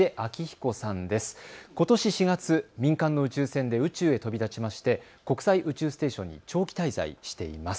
ことし４月、民間の宇宙船で宇宙へ飛び立ちまして国際宇宙ステーションに長期滞在しています。